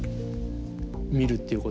見るっていうこと。